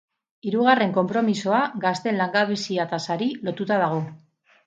Hirugarren konpromisoa gazteen langabezia-tasari lotuta dago.